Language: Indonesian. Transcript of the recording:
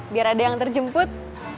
biar ada yang terjemput